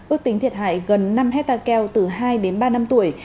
ước tính thiệt hại gần năm hectare keo từ hai đến ba năm tuổi